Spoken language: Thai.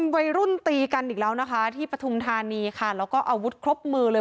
วัยรุ่นตีกันอีกแล้วนะคะที่ปฐุมธานีค่ะแล้วก็อาวุธครบมือเลย